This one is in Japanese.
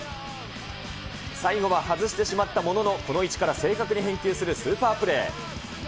最後は外してしまったものの、この位置から正確に返球するスーパープレー。